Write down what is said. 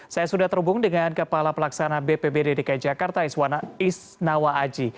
saya sudah terhubung dengan kepala pelaksana bpb dki jakarta iswana isnawa aji